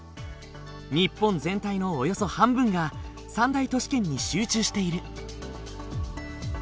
日本全体のおよそ半分が三大都市圏に集中している。